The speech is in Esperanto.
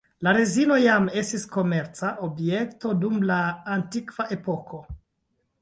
La rezino jam estis komerca objekto dum la Antikva epoko.